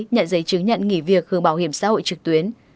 nhận giấy chứng nhận nghỉ việc hưởng bảo hiểm xã hội trực tuyến